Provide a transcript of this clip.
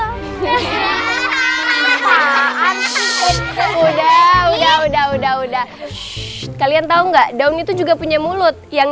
sudah udah udah udah udah kalian tahu enggak daun itu juga punya mulut yang